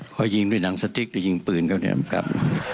ขอยิงด้วยหนังสติ๊กหรือยิงปืนก็ได้ครับ